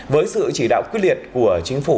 với sự chỉ đạo quyết liệt của chính phủ